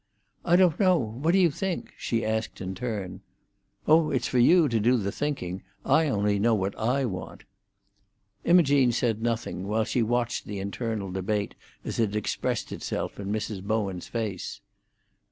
"I don't know. What do you think?" she asked in turn. "Oh, it's for you to do the thinking. I only know what I want." Imogene said nothing, while she watched the internal debate as it expressed itself in Mrs. Bowen's face.